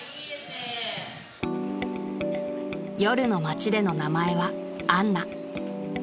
［夜の街での名前はアンナ］